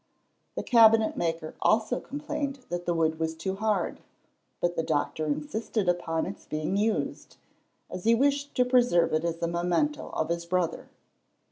The cabinet maker also complained that the wood was too hard. But the doctor insisted upon its being used, as he wished to preserve it as a memento of his brother.